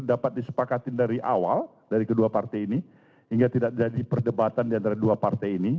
dapat disepakatin dari awal dari kedua partai ini hingga tidak jadi perdebatan diantara dua partai ini